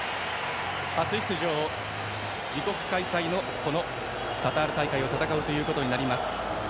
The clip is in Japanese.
初出場、自国開催のカタール大会を戦うことになります。